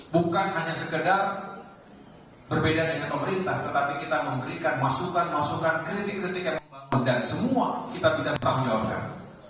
bukan hanya sekedar berbeda dengan pemerintah tetapi kita memberikan masukan masukan kritik kritik yang membangun dan semua kita bisa bertanggung jawabkan